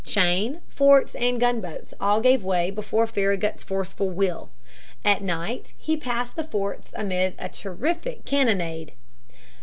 Chain, forts, and gunboats all gave way before Farragut's forceful will. At night he passed the forts amid a terrific cannonade.